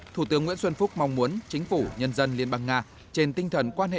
thủ tướng nguyễn xuân phúc mong muốn chính phủ nhân dân liên bang nga trên tinh thần quan hệ